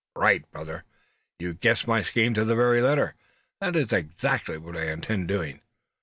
"Right, brother! you've guessed my scheme to the very letter. That is exactly what I intend doing."